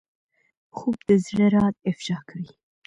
خوب د زړه راز افشا کوي